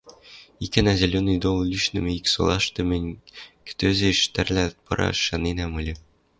Икӓнӓ Зеленый Дол лишнӹшӹ ик солашты мӹнь кӹтӧзеш тӓрлӓлт пыраш шаненӓм ыльы.